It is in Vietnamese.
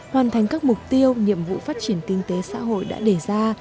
hoàn thành các mục tiêu nhiệm vụ phát triển kinh tế xã hội đã đề ra